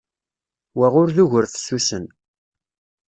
Wa ur d ugur fessusen.